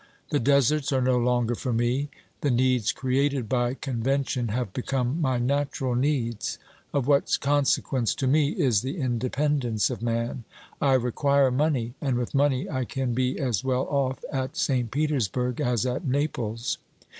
The deserts are no longer for me ; the needs created by convention have become my natural needs. Of what consequence to me is the independence of man ? I require money, and with money I can be as well off at St. Petersburg as at Naples.